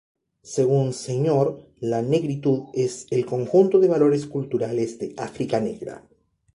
Según Senghor, la negritud es "el conjunto de valores culturales de África negra".